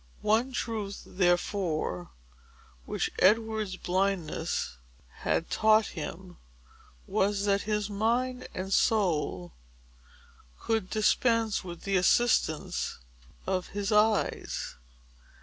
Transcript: One truth, therefore, which Edward's blindness had taught him, was, that his mind and soul could dispense with the assistance of his eyes.